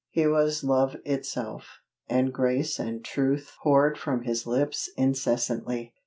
He was love itself, and grace and truth poured from His lips incessantly.